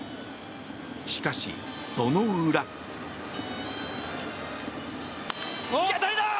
しかし、その裏。いい当たりだ！